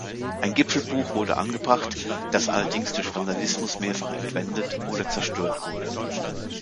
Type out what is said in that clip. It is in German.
Ein Gipfelbuch wurde angebracht, das allerdings durch Vandalismus mehrfach entwendet oder zerstört wurde.